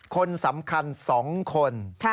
คนสำคัญ๒คน